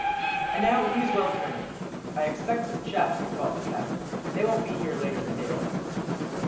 And now we'd as well turn in. I expect some chaps that's bought the cattle, and they won't be here later than daylight."